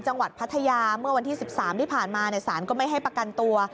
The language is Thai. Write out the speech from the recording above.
พัทยาเมื่อวันที่๑๓ที่ผ่านมาสารก็ไม่ให้ประกันตัว